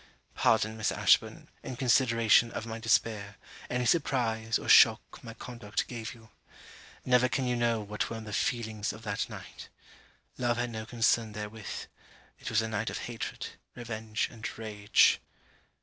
Pardon, Miss Ashburn, in consideration of my despair, any surprise or shock my conduct gave you. Never can you know what were the feelings of that night. Love had no concern therewith. It was a night of hatred, revenge and rage.